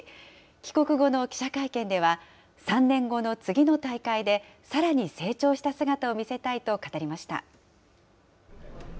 帰国後の記者会見では、３年後の次の大会で、さらに成長した姿を見せたいと語りました。